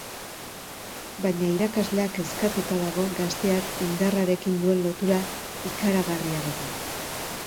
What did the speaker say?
Baina irakaslea kezkatuta dago gazteak indarrarekin duen lotura ikaragarriarekin.